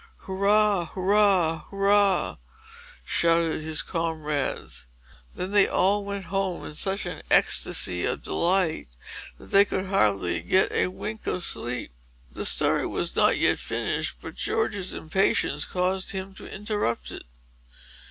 "Hurrah! hurrah! hurrah!" shouted his comrades. Then they all went home, in such an ecstasy of delight that they could hardly get a wink of sleep. The story was not yet finished; but George's impatience caused him to interrupt it.